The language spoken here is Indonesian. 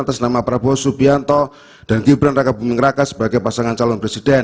atas nama prabowo subianto dan gibran raka buming raka sebagai pasangan calon presiden